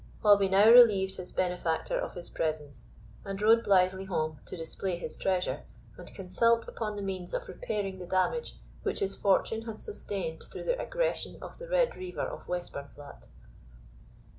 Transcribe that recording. Hobbie now relieved his benefactor of his presence, and rode blithely home to display his treasure, and consult upon the means of repairing the damage which his fortune had sustained through the aggression of the Red Reiver of Westburnflat.